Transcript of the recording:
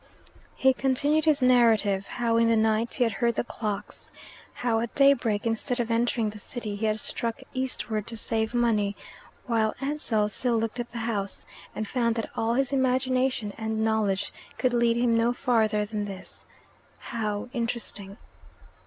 He continued his narrative, how in the night he had heard the clocks, how at daybreak, instead of entering the city, he had struck eastward to save money, while Ansell still looked at the house and found that all his imagination and knowledge could lead him no farther than this: how interesting!